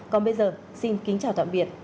còn bây giờ xin kính chào tạm biệt